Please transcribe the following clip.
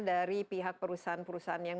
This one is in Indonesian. dari pihak perusahaan perusahaan yang